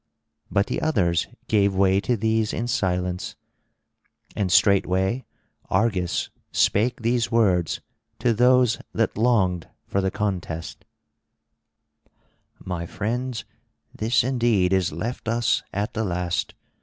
But the others gave way to these in silence. And straightway Argus spake these words to those that longed for the contest: "My friends, this indeed is left us at the last.